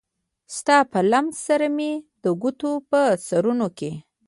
ستا په لمس سره مې د ګوتو په سرونو کې